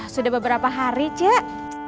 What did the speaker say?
sudah beberapa hari cik